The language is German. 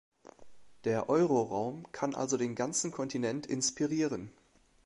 Der Euroraum kann also den ganzen Kontinent inspirieren.